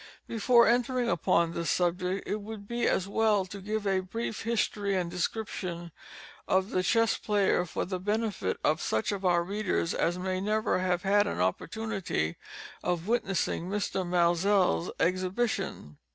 Before entering upon this subject it would be as well to give a brief history and description of the Chess Player for the benefit of such of our readers as may never have had an opportunity of witnessing Mr. Maelzel's exhibition.